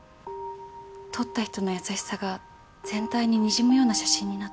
撮った人の優しさが全体ににじむような写真になってる。